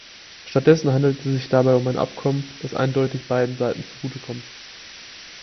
Stattdessen handelt es sich dabei um ein Abkommen, das eindeutig beiden Seiten zugute kommt.